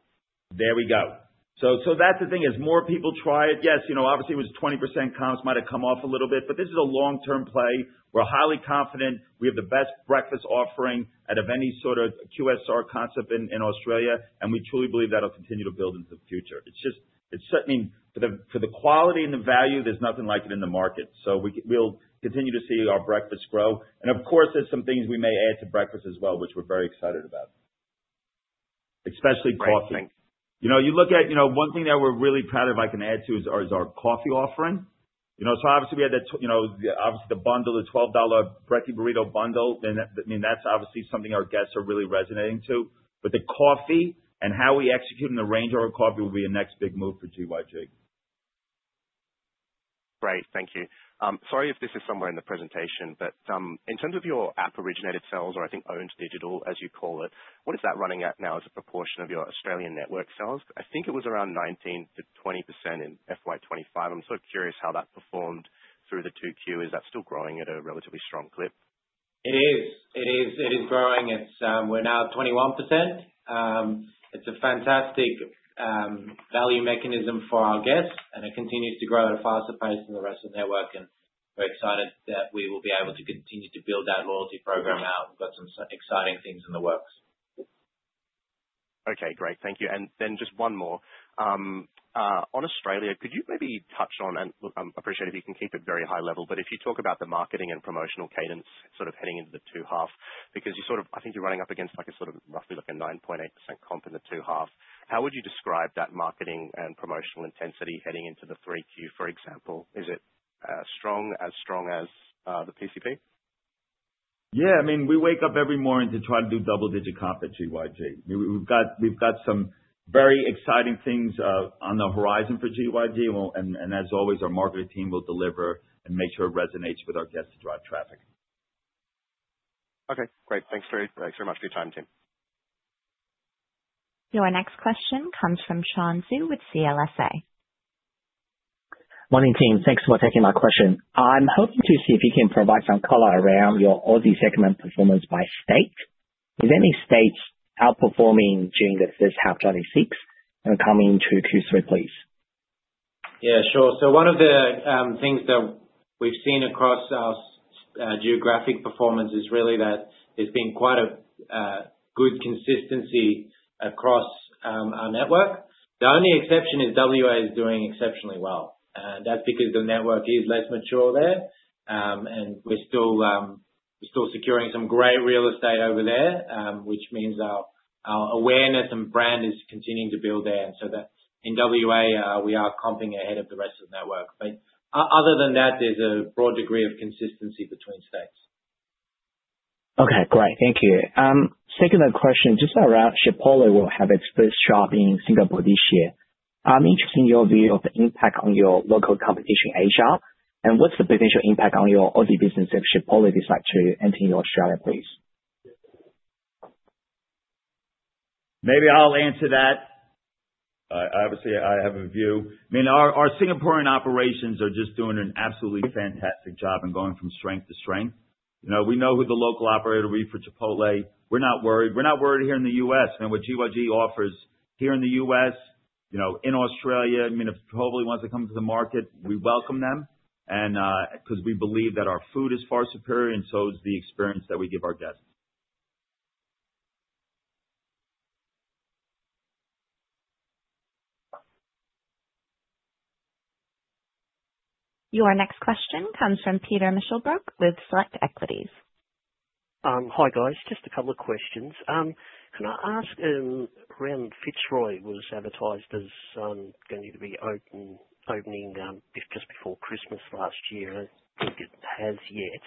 There we go. So, so that's the thing, as more people try it, yes, you know, obviously with 20% comps might have come off a little bit, but this is a long-term play. We're highly confident we have the best breakfast offering out of any sort of QSR concept in, in Australia, and we truly believe that'll continue to build into the future. It's just, it's certainly for the, for the quality and the value, there's nothing like it in the market. So we'll continue to see our breakfast grow. And of course, there's some things we may add to breakfast as well, which we're very excited about. Especially coffee. Great. Thanks. You know, you look at, you know, one thing that we're really proud of, I can add to, is our, is our coffee offering. You know, so obviously we had the, you know, the obviously the bundle, the 12 dollar brekkie burrito bundle, and that, I mean, that's obviously something our guests are really resonating to. But the coffee and how we execute in the range of our coffee will be a next big move for GYG. Great. Thank you. Sorry if this is somewhere in the presentation, but in terms of your app-originated sales, or I think owned digital, as you call it, what is that running at now as a proportion of your Australian network sales? I think it was around 19%-20% in FY 2025. I'm sort of curious how that performed through the 2Q. Is that still growing at a relatively strong clip? It is. It is. It is growing. It's, we're now at 21%. It's a fantastic value mechanism for our guests, and it continues to grow at a faster pace than the rest of the network. And we're excited that we will be able to continue to build that loyalty program out. We've got some exciting things in the works. Okay, great. Thank you. Then just one more. On Australia, could you maybe touch on, and look, I appreciate if you can keep it very high level, but if you talk about the marketing and promotional cadence sort of heading into the two half, because you're sort of, I think you're running up against like a sort of roughly like a 9.8% comp in the two half. How would you describe that marketing and promotional intensity heading into the 3Q, for example? Is it strong, as strong as the PCP? Yeah, I mean, we wake up every morning to try to do double-digit comp at GYG. We've got, we've got some very exciting things on the horizon for GYG, well, and, and as always, our marketing team will deliver and make sure it resonates with our guests to drive traffic. Okay, great. Thanks very much for your time, team. Your next question comes from Sean Xu with CLSA. Morning, team. Thanks for taking my question. I'm hoping to see if you can provide some color around your Aussie segment performance by state. Is there any states outperforming during this first half 26 and coming into Q3, please? Yeah, sure. So one of the things that we've seen across our geographic performance is really that there's been quite a good consistency across our network. The only exception is WA is doing exceptionally well, that's because the network is less mature there. And we're still securing some great real estate over there, which means our awareness and brand is continuing to build there. And so that in WA, we are comping ahead of the rest of the network. But other than that, there's a broad degree of consistency between states. Okay, great. Thank you. Second question, just around Chipotle will have its first shop in Singapore this year. I'm interested in your view of the impact on your local competition in Asia, and what's the potential impact on your Aussie business if Chipotle decide to enter into Australia, please? Maybe I'll answer that. Obviously, I have a view. I mean, our Singaporean operations are just doing an absolutely fantastic job and going from strength to strength. You know, we know who the local operator will be for Chipotle. We're not worried. We're not worried here in the U.S., and what GYG offers here in the U.S., you know, in Australia, I mean, if Chipotle wants to come to the market, we welcome them. And, 'cause we believe that our food is far superior, and so is the experience that we give our guests. Your next question comes from Peter Meichelboeck with Select Equities. Hi, guys, just a couple of questions. Can I ask, around Fitzroy was advertised as going to be opening just before Christmas last year, and I don't think it has yet.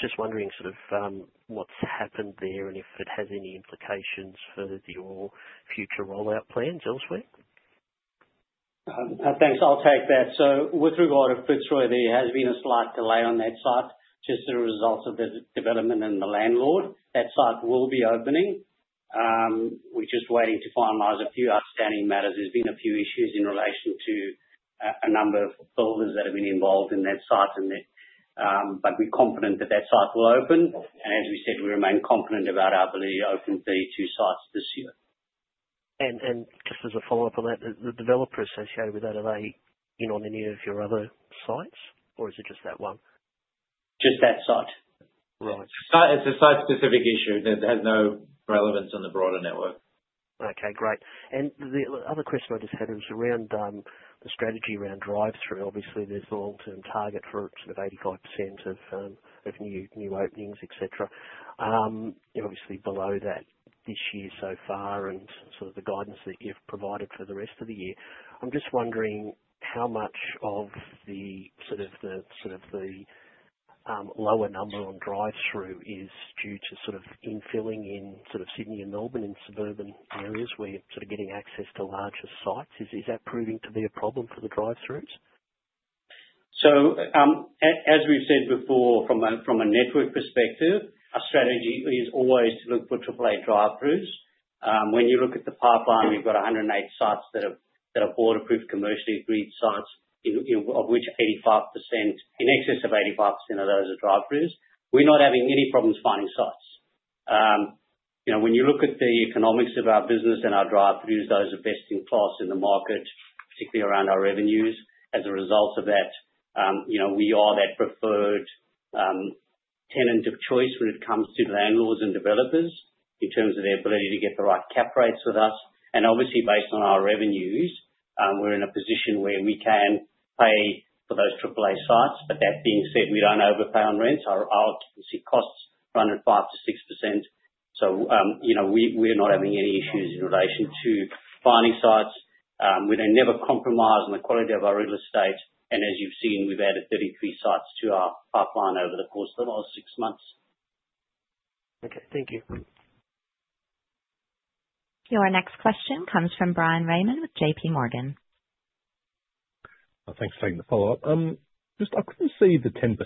Just wondering sort of, what's happened there, and if it has any implications for your future rollout plans elsewhere? Thanks, I'll take that. So with regard to Fitzroy, there has been a slight delay on that site, just as a result of the development and the landlord. That site will be opening. We're just waiting to finalize a few outstanding matters. There's been a few issues in relation to a number of builders that have been involved in that site and that. But we're confident that that site will open, and as we said, we remain confident about our ability to open the two sites this year. And just as a follow-up on that, the developer associated with that, are they in on any of your other sites, or is it just that one? Just that site. Right. It's a site-specific issue that has no relevance on the broader network. Okay, great. And the other question I just had is around the strategy around drive-through. Obviously, there's a long-term target for sort of 85% of new openings, etc. You're obviously below that this year so far and sort of the guidance that you've provided for the rest of the year. I'm just wondering how much of the lower number on drive-through is due to sort of infilling in sort of Sydney and Melbourne in suburban areas where you're sort of getting access to larger sites. Is that proving to be a problem for the drive-throughs? So, as we've said before, from a network perspective, our strategy is always to look for triple A drive-throughs. When you look at the pipeline, we've got 108 sites that are waterproof, commercially agreed sites. Of which 85%, in excess of 85% of those are drive-throughs. We're not having any problems finding sites. You know, when you look at the economics of our business and our drive-throughs, those are best in class in the market, particularly around our revenues. As a result of that, you know, we are that preferred tenant of choice when it comes to landlords and developers, in terms of their ability to get the right cap rates with us. And obviously, based on our revenues, we're in a position where we can pay for those triple A sites. But that being said, we don't overpay on rents. Our occupancy costs are under 5%-6%. So, you know, we're not having any issues in relation to finding sites. We then never compromise on the quality of our real estate, and as you've seen, we've added 33 sites to our pipeline over the course of the last six months. Okay, thank you. Your next question comes from Bryan Raymond with JPMorgan. Thanks for taking the follow-up. Just, I couldn't see the 10%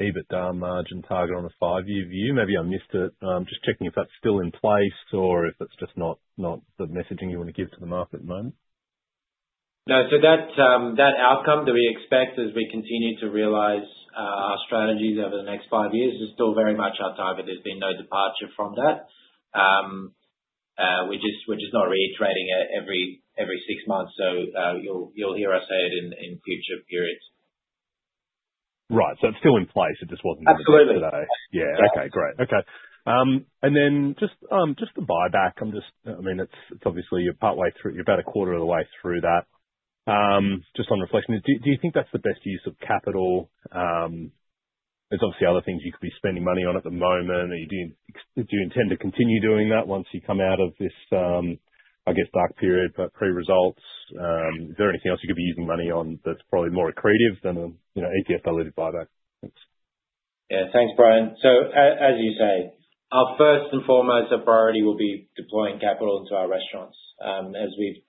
EBITDA margin target on a five-year view. Maybe I missed it, but I'm just checking if that's still in place or if that's just not the messaging you want to give to the market at the moment. No, so that outcome that we expect as we continue to realize our strategies over the next five years is still very much on target. There's been no departure from that. We're just not reiterating it every six months, so you'll hear us say it in future periods. Right. So it's still in place, it just wasn't- Absolutely. Yeah. Okay, great. Okay. And then just the buyback. I'm just... I mean, it's obviously you're partway through it. You're about a quarter of the way through that. Just on reflection, do you think that's the best use of capital? There's obviously other things you could be spending money on at the moment. Do you intend to continue doing that once you come out of this, I guess, dark period, but pre-results? Is there anything else you could be using money on that's probably more accretive than a, you know, ATF-related buyback? Thanks. Yeah. Thanks, Bryan. As you say, our first and foremost priority will be deploying capital into our restaurants. As we've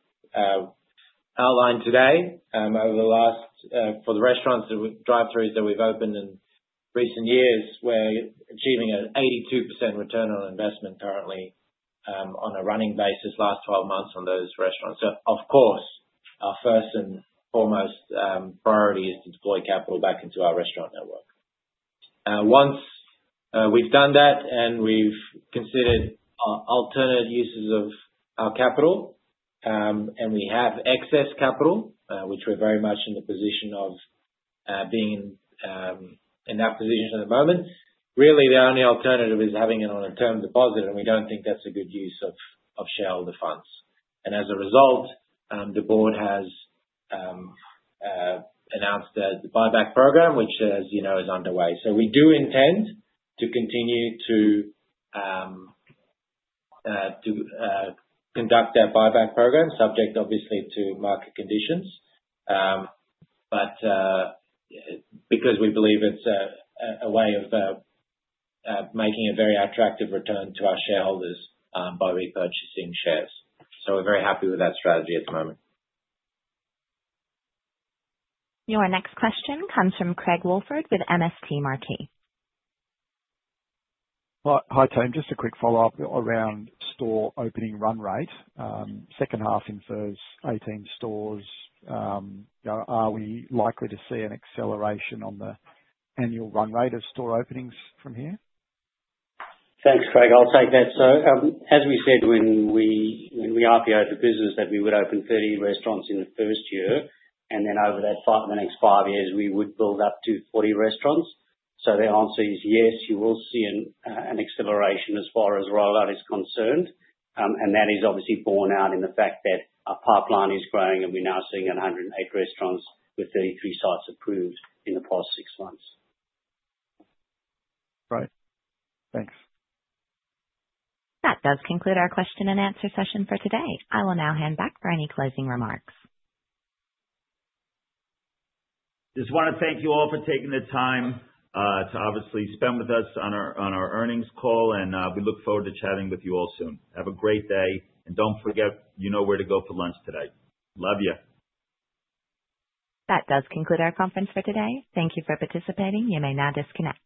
outlined today, over the last, for the restaurants and drive-throughs that we've opened in recent years, we're achieving an 82% return on investment currently, on a running basis, last 12 months on those restaurants. Of course, our first and foremost priority is to deploy capital back into our restaurant network. Once we've done that and we've considered alternative uses of our capital, and we have excess capital, which we're very much in the position of being in that position at the moment. Really, the only alternative is having it on a term deposit, and we don't think that's a good use of shareholder funds. As a result, the board has announced the buyback program, which, as you know, is underway. So we do intend to continue to conduct our buyback program, subject obviously to market conditions. But because we believe it's a way of making a very attractive return to our shareholders, by repurchasing shares. So we're very happy with that strategy at the moment. Your next question comes from Craig Woolford with MST Marquee. Well, hi, team. Just a quick follow-up around store opening run rate. Second half infers 18 stores. Are we likely to see an acceleration on the annual run rate of store openings from here? Thanks, Craig. I'll take that. So, as we said, when we, when we IPO'd the business, that we would open 30 restaurants in the first year, and then over that five—the next five years, we would build up to 40 restaurants. So the answer is yes, you will see an acceleration as far as rollout is concerned. And that is obviously borne out in the fact that our pipeline is growing, and we're now sitting at 108 restaurants, with 33 sites approved in the past six months. Right. Thanks. That does conclude our question and answer session for today. I will now hand back for any closing remarks. Just want to thank you all for taking the time to obviously spend with us on our earnings call, and we look forward to chatting with you all soon. Have a great day, and don't forget, you know where to go for lunch today. Love you. That does conclude our conference for today. Thank you for participating. You may now disconnect.